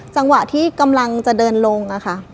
จังหวะที่กำลังจะเดินลงอะค่ะ